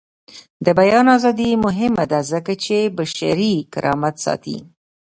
د بیان ازادي مهمه ده ځکه چې بشري کرامت ساتي.